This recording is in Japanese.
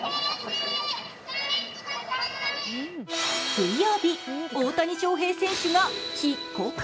水曜日、大谷翔平選手が帰国。